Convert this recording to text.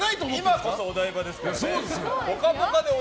今こそお台場ですからね。